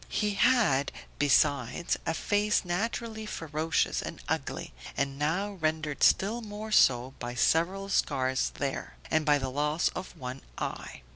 He had, besides, a face naturally ferocious and ugly, and now rendered still more so by several scars there, and by the loss of one eye.